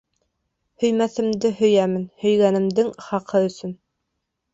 Һөймәҫемде һөйәмен һөйгәнемдең хаҡы өсөн.